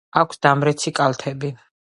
აქვს დამრეცი კალთები.